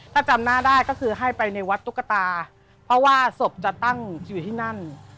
ถ้าจำหน้าได้ก็คือให้ไปในวัดตุ๊กตาเพราะว่าศพจะตั้งอยู่ที่นั่น